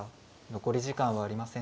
残り時間はありません。